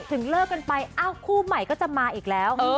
ถึงเลิกกันไปอ้าวคู่ใหม่ก็จะมาอีกแล้ว